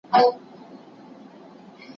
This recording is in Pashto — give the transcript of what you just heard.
رښتينى دوست عيبونه بيانوي.